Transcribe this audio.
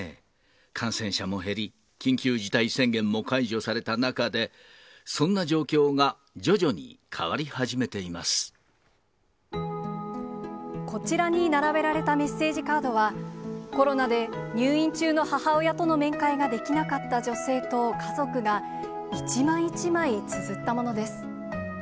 感染者も減り、緊急事態宣言も解除された中で、そんな状況が徐々に変わり始めてこちらに並べられたメッセージカードは、コロナで入院中の母親との面会ができなかった女性と家族が、一枚一枚つづったものです。